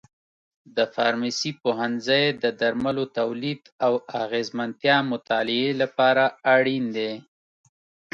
د فارمسي پوهنځی د درملو تولید او اغیزمنتیا مطالعې لپاره اړین دی.